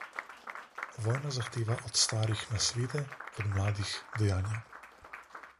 Vojna zahteva od starih nasvete, od mladih dejanja.